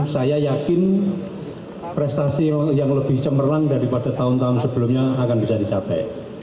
saya yakin prestasi yang lebih cemerlang daripada tahun tahun sebelumnya akan bisa dicapai